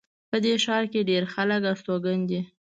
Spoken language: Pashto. په دې ښار کې ډېر خلک استوګن دي